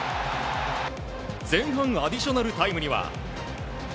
前半アディショナルタイムには。